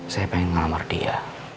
saya pengen ngelamar dia